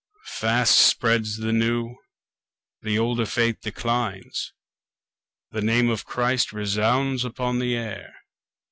Fast spreads the new; the older faith declines. The name of Christ resounds upon the air.